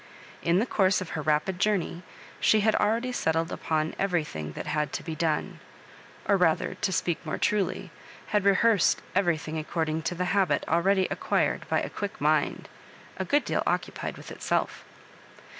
In the course of her rapid journey she had already settled upon everything that had to be done ; or rather, to speak more truly, had re hearsed everything according to the habit already acquired by a quick mind, a good deal occupied with itself.